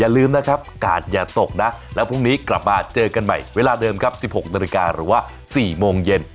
ลืมนะครับกาดอย่าตกนะแล้วพรุ่งนี้กลับมาเจอกันใหม่เวลาเดิมครับ๑๖นาฬิกาหรือว่า๔โมงเย็น